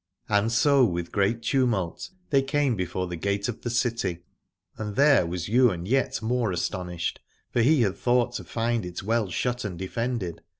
And so with great tumult they came before the gate of the city, and there was Ywain yet more astonished, for he had thought to find 78 Aladore it well shut and defended.